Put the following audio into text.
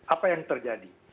apa yang terjadi